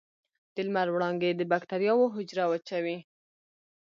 د لمر وړانګې د بکټریاوو حجره وچوي.